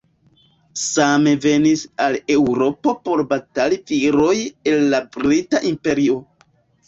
Same venis al Eŭropo por batali viroj el la Brita Imperio.